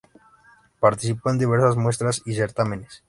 Participó en diversas muestras y certámenes.